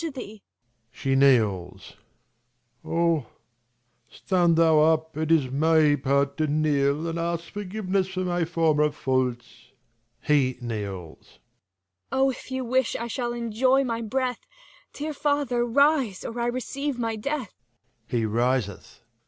Oh, stand thou up, it is my part to kneel, 205 And ask forgiveness for my former faults. [He kneels. Cor. Oh, if you wish, T should enjoy my breath, Dear father rise, or I receive my death. [He riseth.